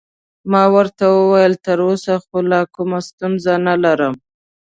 ما ورته وویل: تراوسه خو لا کومه ستونزه نلرم.